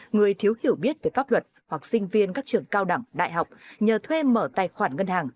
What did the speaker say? người thiếu hiểu biết về pháp luật hoặc sinh viên các trường cao đẳng đại học nhờ thuê mở tài khoản ngân hàng